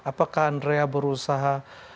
apakah andrea berusaha